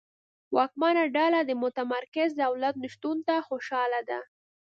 واکمنه ډله د متمرکز دولت نشتون ته خوشاله ده.